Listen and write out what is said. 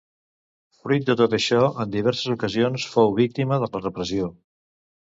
Fruit de tot això, en diverses ocasions fou víctima de la repressió.